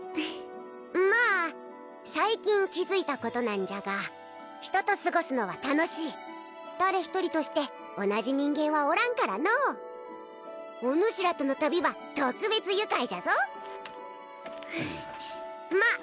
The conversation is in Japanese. まあ最近気づいたことなんじゃが人と過ごすのは楽しい誰一人として同じ人間はおらんからのうおぬしらとの旅は特別愉快じゃぞまあ